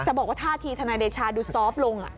แต่บอกว่าท่าทีทนายเดชาดูซอฟต์ลง